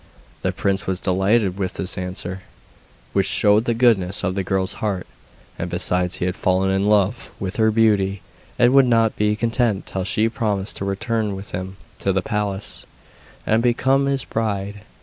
The prince was delighted with this answer, which showed the goodness of the girl's heart, and besides he had fallen in love with her beauty, and would not be content till she promised to return with him to the palace, and become his bride.